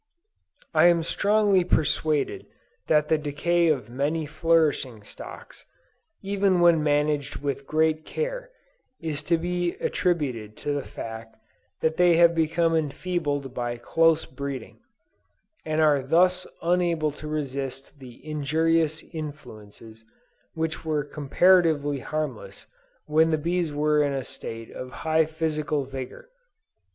I am strongly persuaded that the decay of many flourishing stocks, even when managed with great care, is to be attributed to the fact that they have become enfeebled by "close breeding," and are thus unable to resist the injurious influences which were comparatively harmless when the bees were in a state of high physical vigor.